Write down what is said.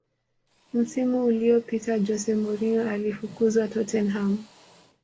msimu uliopita jose mourinho alifukuzwa tottenham